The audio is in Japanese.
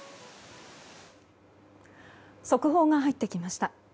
速報が入ってきました。